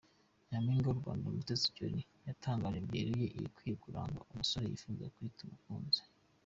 Nyampinga w’u Rwanda Mutesi Jolly yatangaje byeruye ibikwiye kuranga umusore yifuza kwita ‘umukunzi’.